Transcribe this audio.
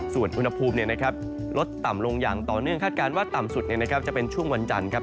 ส่วนอุณหภูมิลดต่ำลงอย่างต่อเนื่องคาดการณ์ว่าต่ำสุดจะเป็นช่วงวันจันทร์ครับ